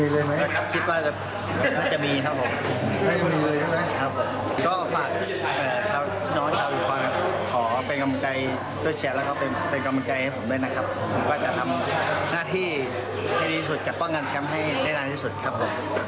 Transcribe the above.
และมีหน้าที่ให้ดีสุดจะป้องกันแคมป์ให้ได้นานที่สุดครับผม